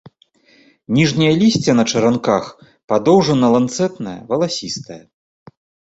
Ніжняе лісце на чаранках, падоўжана-ланцэтнае, валасістае.